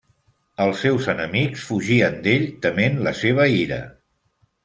Els seus enemics fugien d'ell, tement la seva ira.